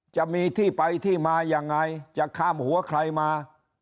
จะมีที่ไปที่มายังไงจะข้ามหัวใครมา